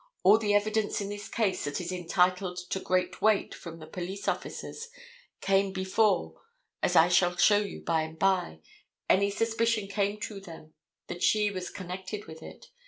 All the evidence in this case that is entitled to great weight from the police officers came before (as I shall show you by and by) any suspicion came to them that she was connected with it.